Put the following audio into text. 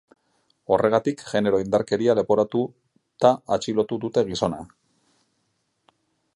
Horregatik, genero indarkeria leporatuta atxilotu dute gizona.